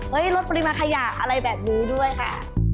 ลดปริมาณขยะอะไรแบบนี้ด้วยค่ะ